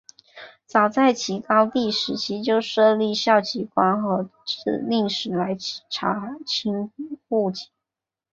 早在齐高帝时期就设立校籍官和置令史来清查户籍。